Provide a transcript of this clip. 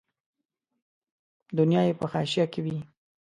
دنیا یې په حاشیه کې وي.